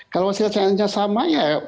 kalau hasilnya sama ya